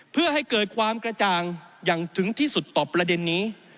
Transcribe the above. เพื่อให้เกิดความกระจ่างอย่างถึงที่สุดต่อประเด็นนี้